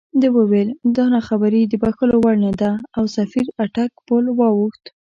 ده وویل دا ناخبري د بښلو وړ نه ده او سفیر اټک پُل واوښت.